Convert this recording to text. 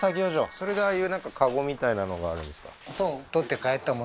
それでああいうなんかカゴみたいなのがあるんですか？